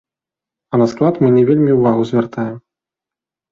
А на склад мы не вельмі ўвагу звяртаем.